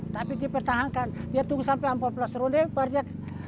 tapi dia pertahankan dia tunggu sampai empat belas ronde baru dia